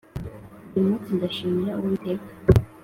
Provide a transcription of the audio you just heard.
buri munsi, ndashimira uwiteka,